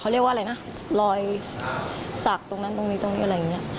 เรียกว่าอะไรนะรอยสักตรงนั้นตรงนี้ตรงนี้อะไรอย่างนี้